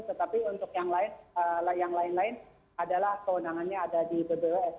tetapi untuk yang lain lain adalah kewenangannya ada di bbws